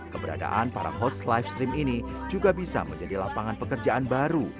keberadaan para host live stream ini juga bisa menjadi lapangan pekerjaan baru